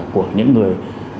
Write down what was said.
của những người